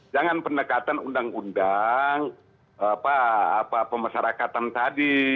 jangan pendekatan undang undang apa apa pemasyarakatan tadi